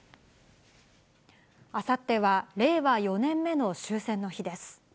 あさっては令和４年目の終戦の日です。